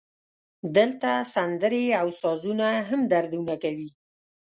دلته سندرې او سازونه هم دردونه کوي